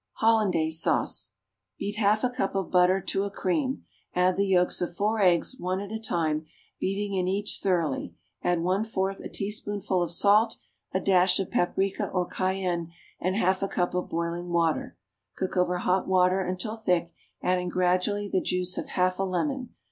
=Hollandaise Sauce.= Beat half a cup of butter to a cream; add the yolks of four eggs, one at a time, beating in each thoroughly; add one fourth a teaspoonful of salt, a dash of paprica or cayenne, and half a cup of boiling water. Cook over hot water until thick, adding gradually the juice of half a lemon.